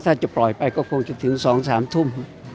ถ้าจะปล่อยไปก็คงจะถึง๒๓ทุ่ม